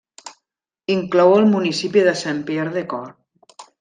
Inclou el municipi de Saint-Pierre-des-Corps.